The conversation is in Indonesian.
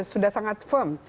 sudah sangat firm